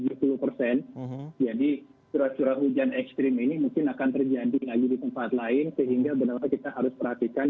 jadi curah curah hujan ekstrim ini mungkin akan terjadi lagi di tempat lain sehingga benar benar kita harus perhatikan